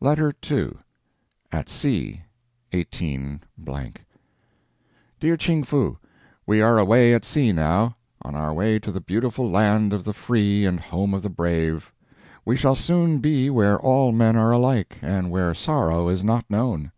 LETTER II AT SEA, 18 . DEAR CHING FOO: We are far away at sea now; on our way to the beautiful Land of the Free and Home of the Brave. We shall soon be where all men are alike, and where sorrow is not known.